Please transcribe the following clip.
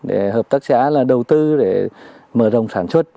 để hợp tác xã là đầu tư để mở rộng sản xuất